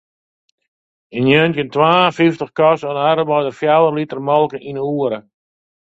Yn njoggentjin twa en fyftich koste in arbeider fjouwer liter molke yn 'e oere.